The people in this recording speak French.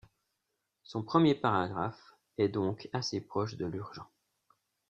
Son premier paragraphe est donc assez proche de l'urgent.